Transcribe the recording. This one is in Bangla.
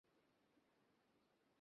তাদের বিভিন্ন ক্ষমতা রয়েছে।